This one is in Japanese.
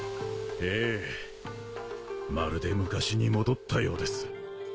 ええまるで昔に戻ったようです。